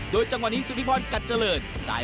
โดยจังหวะนี้สุธิพรกัดเจริญ